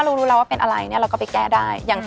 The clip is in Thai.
มื้อแม่โอ้วนี่หน้าละ